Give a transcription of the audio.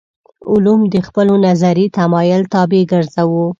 علوم د خپلو نظري تمایل طابع ګرځوو.